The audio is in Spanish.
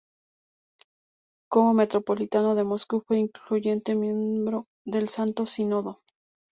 Como metropolitano de Moscú, fue un influyente miembro del Santo Sínodo.